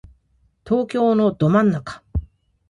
東京のど真ん中